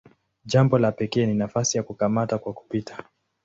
Jambo la pekee ni nafasi ya "kukamata kwa kupita".